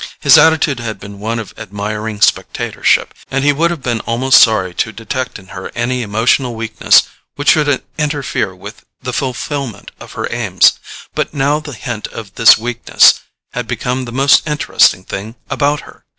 His attitude had been one of admiring spectatorship, and he would have been almost sorry to detect in her any emotional weakness which should interfere with the fulfilment of her aims. But now the hint of this weakness had become the most interesting thing about her.